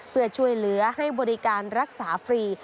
เพื่อช่วยเหลือให้บริการรักษาฟรี